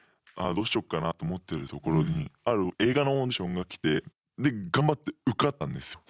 どうしようかなと思ってるところにある映画のオーディションが来てで頑張って受かったんですよ。